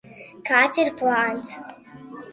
Kāds ir plāns?